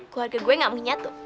keluarga gue gak mau nyatu